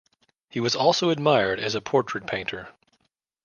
He was also admired as a portrait painter.